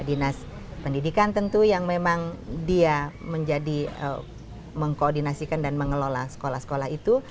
dinas pendidikan tentu yang memang dia menjadi mengkoordinasikan dan mengelola sekolah sekolah itu